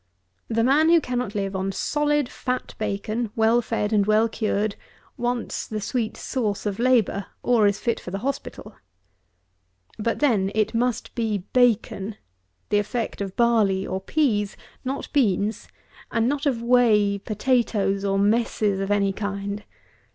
The man who cannot live on solid fat bacon, well fed and well cured, wants the sweet sauce of labour, or is fit for the hospital. But, then, it must be bacon, the effect of barley or peas, (not beans,) and not of whey, potatoes, or messes of any kind.